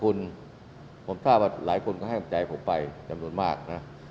คุณผมทราบว่าหลายคนก็ให้กำลังใจผมไปจำนวนมากนะ